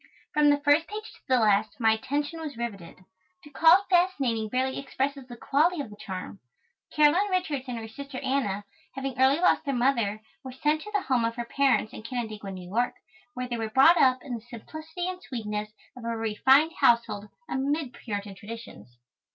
From the first page to the last my attention was riveted. To call it fascinating barely expresses the quality of the charm. Caroline Richards and her sister Anna, having early lost their mother, were sent to the home of her parents in Canandaigua, New York, where they were brought up in the simplicity and sweetness of a refined household, amid Puritan traditions.